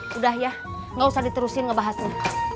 sudah ya nggak usah diterusin ngebahasnya